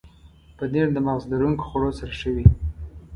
پنېر د مغز لرونکو خوړو سره ښه وي.